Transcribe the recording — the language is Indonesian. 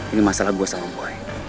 ini masalah gua sama boy